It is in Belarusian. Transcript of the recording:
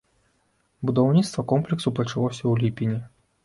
Будаўніцтва комплексу пачалося ў ліпені.